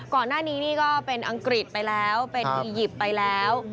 ก่อนหน้านี้นี่ก็เป็นอังกฤษไปแล้วเป็นอียิปต์ไปแล้ว